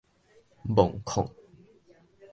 墓壙